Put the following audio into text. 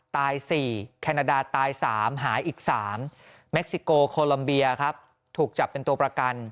ตาย๔แคนาดาตาย๓หายอีก๓เม็กซิโกโคลัมเบียครับถูกจับเป็นตัวประกัน